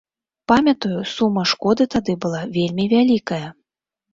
Памятаю, сума шкоды тады была вельмі вялікая.